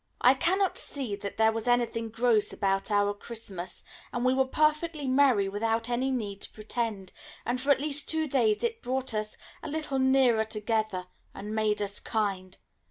I cannot see that there was anything gross about our Christmas, and we were perfectly merry without any need to pretend, and for at least two days it brought us a little nearer together, and made us kind.